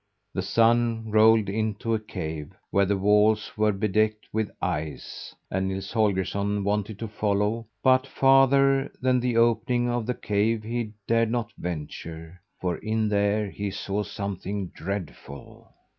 The Sun rolled into a cave, where the walls were bedecked with ice, and Nils Holgersson wanted to follow, but farther than the opening of the cave he dared not venture, for in there he saw something dreadful.